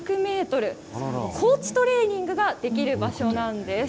高地トレーニングができる場所なんです。